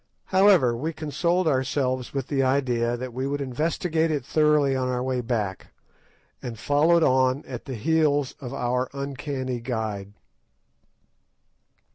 However, we consoled ourselves with the idea that we would investigate it thoroughly on our way back, and followed on at the heels of our uncanny guide.